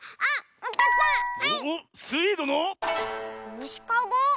むしかご？